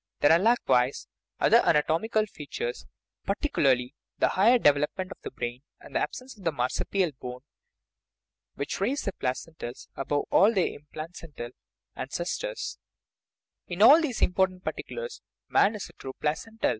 There are, likewise, other anatomical features, particularly the higher development of the brain and the absence of the marsupial bone, which raise the placentals above all their implacental ances 32 OUR BODILY FRAME tors. In all these important particulars man is a true placental.